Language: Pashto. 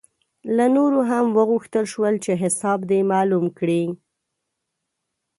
له نورو هم وغوښتل شول چې حساب دې معلوم کړي.